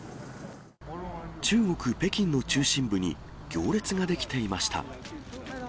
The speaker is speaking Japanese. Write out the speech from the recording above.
中国・北京の中心部に、行列が出来ていました。